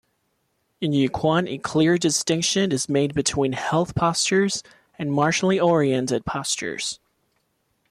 In Yiquan, a clear distinction is made between "health" postures and "martially oriented" postures.